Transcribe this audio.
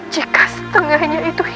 jika setengahnya itu hilang